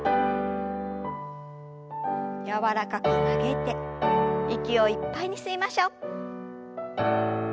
柔らかく曲げて息をいっぱいに吸いましょう。